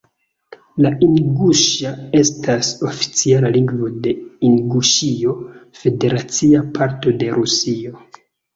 La inguŝa estas oficiala lingvo de Inguŝio, federacia parto de Rusio.